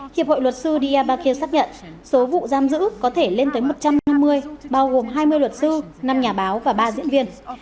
hiệp hội luật sư dia bakir xác nhận số vụ giam giữ có thể lên tới một trăm năm mươi bao gồm hai mươi luật sư năm nhà báo và ba diễn viên